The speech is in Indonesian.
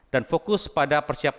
dan fokus pada penyelenggaran haji